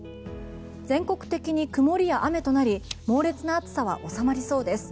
全国的に曇りや雨となり猛烈な暑さは収まりそうです。